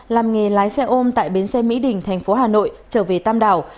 làm nghề lái xe ôm tại bến xe mỹ đình thành phố hà nội trở về tam đảo